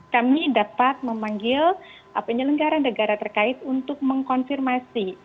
kami dapat memanggil penyelenggara negara terkait untuk mengkonfirmasi